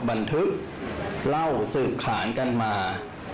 ก็เป็นเรื่องของความเชื่อความศรัทธาเป็นการสร้างขวัญและกำลังใจ